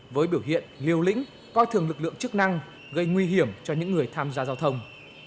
với biểu hiện liều lĩnh coi thường lực lượng chức năng gây nguy hiểm cho những người tham gia giao thông